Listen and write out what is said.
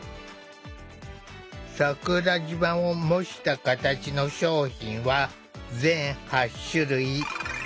桜島を模した形の商品は全８種類。